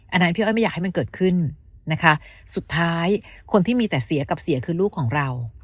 อันนั้นพี่อ้อยไม่อยากให้มันเกิดขึ้นนะคะสุดท้ายคนที่มีแต่เสียกับเสียคือลูกของเรา